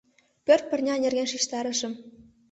Пӧрт пырня нерген шижтарышым.